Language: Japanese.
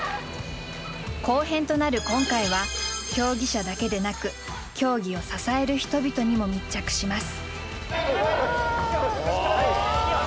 後編となる今回は競技者だけでなく競技を支える人々にも密着します。